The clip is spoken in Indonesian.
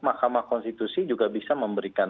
mahkamah konstitusi juga bisa memberikan